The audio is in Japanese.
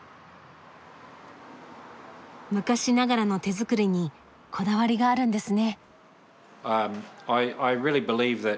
昔ながらの手作りにこだわりがあるんですね。